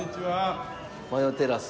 マヨテラス。